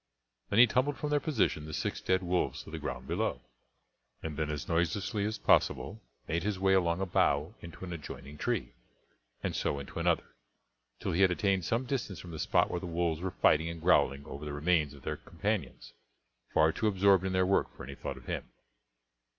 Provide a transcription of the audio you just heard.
Then he tumbled from their position the six dead wolves to the ground below, and then as noiselessly as possible made his way along a bough into an adjoining tree, and so into another, till he had attained some distance from the spot where the wolves were fighting and growling over the remains of their companions, far too absorbed in their work for any thought of him.